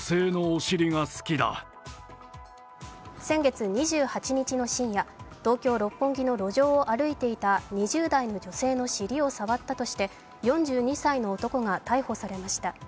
先月２８日の深夜、東京・六本木の路上を歩いていた２０代の女性の尻を触ったとして４２歳の男が逮捕されました。